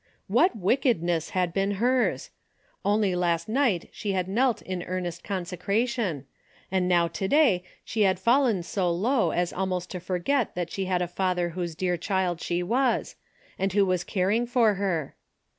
What wickedness had been hers. Only last night she had knelt in earnest consecra tion, and now to day she had fallen so low as almost to forget that she had a Father whose dear child she was, and who was caring for her.